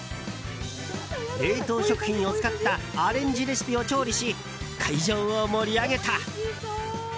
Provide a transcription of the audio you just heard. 冷凍食品を使ったアレンジレシピを調理し会場を盛り上げた。